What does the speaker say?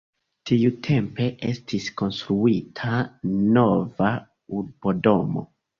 Tiutempe estis konstruita nova urbodomo.